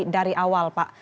dari awal pak